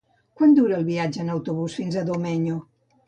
Quant dura el viatge en autobús fins a Domenyo?